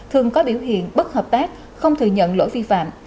thường có biểu hiện bất hợp tác không thừa nhận lỗi vi phạm